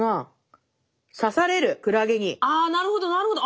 あなるほどなるほど。